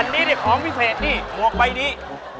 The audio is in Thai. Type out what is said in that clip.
อันนี้ได้ของวิเศษนี่หมวกใบดี